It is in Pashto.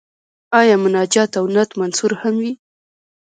آیا مناجات او نعت منثور هم وي؟